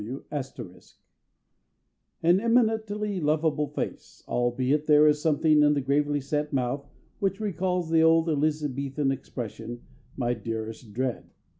W. *] "An eminently lovable face, albeit there is something in the gravely set mouth which recalls the old Elizabethan expression 'My Dearest Dread.